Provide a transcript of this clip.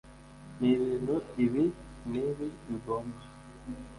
n ibintu ibi n ibi bigomba